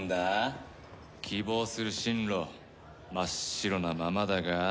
希望する進路真っ白なままだが。